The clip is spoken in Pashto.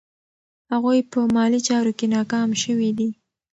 هغوی په مالي چارو کې ناکام شوي دي.